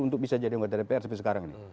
untuk bisa jadi anggota dpr seperti sekarang ini